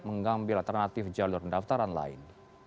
mengambil alternatif jalur pendaftaran lain